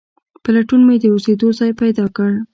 په لټون مې د اوسېدو ځای پیدا کړ.